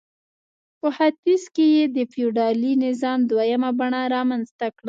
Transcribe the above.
په ختیځ کې یې د فیوډالي نظام دویمه بڼه رامنځته کړه.